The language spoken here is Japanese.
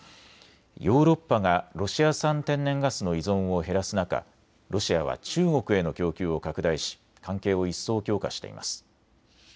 ヨーロッパがロシア産天然ガスの依存を減らす中、ロシアは中国への供給を拡大し関係を一層強化しています。